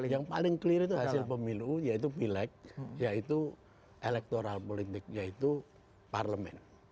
yang paling clear itu hasil pemilu yaitu pileg yaitu elektoral politik yaitu parlemen